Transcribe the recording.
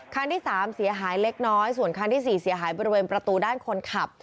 คันที่๓เสียหายเล็กน้อยส่วนคันที่๔เสียหายบริเวณประตูด้านคนขับ